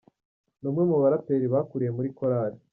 Ni umwe mu baraperi bakuriye muri korali.